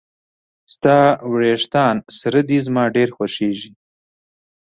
د تا وېښته سره ده زما ډیر خوښیږي